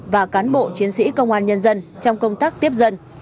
và cán bộ chiến sĩ công an nhân dân trong công tác tiếp dân